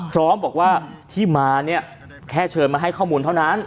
พร้อมบอกว่าที่มาเนี่ยแค่เชิญมาให้ข้อมูลเท่านั้น